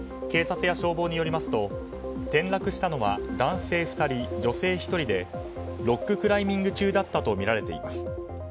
警察や消防によりますと転落したのは男性２人、女性１人でロッククライミング中だったとみられています。